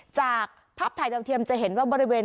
จากภาพถ่ายดาวเทียมจะเห็นว่าบริเวณ